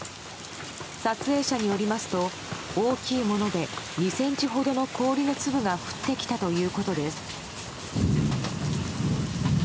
撮影者によりますと大きいもので２ｃｍほどの氷の粒が降ってきたということです。